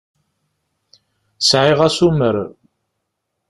Sεiɣ asumer.